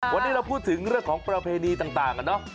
วันนี้เราพูดถึงเรื่องของประเพณีต่างกันเนอะ